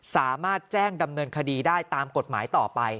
สามารถแจ้งดำเนินคดีได้ตามกฎหมายต่อไป